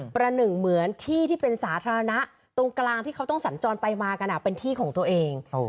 ประหนึ่งเหมือนที่ที่เป็นสาธารณะตรงกลางที่เขาต้องสัญจรไปมากันเป็นที่ของตัวเอง